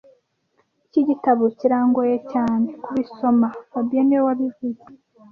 Iki gitabo kirangoye cyane kubisoma fabien niwe wabivuze